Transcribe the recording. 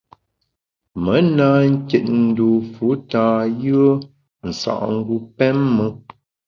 Me na nkit dû fu tâ yùe nsa’ngu pém me.